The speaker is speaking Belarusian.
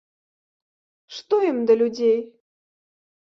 Што ім да людзей?